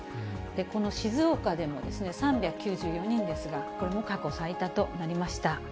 この静岡でも、３９４人ですが、これも過去最多となりました。